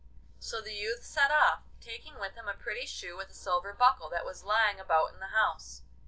So the youth set off, taking with him a pretty shoe with a silver buckle that was lying about in the house.